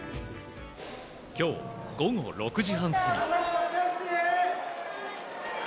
今日午後６時半過ぎ。